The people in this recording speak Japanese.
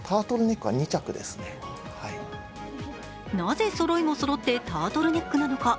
なぜそろいもそろってタートルネックなのか。